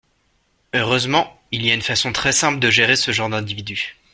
Heureusement, il y a une façon très simple de gérer ce genre d’individus.